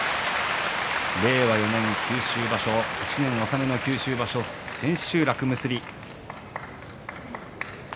令和４年九州場所１年納めの九州場所千秋楽結びです。